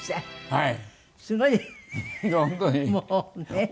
はい。